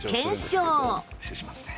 失礼しますね。